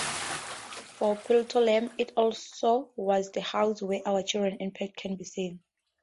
For Ptolemy, it also was the house where our children's impact can be seen.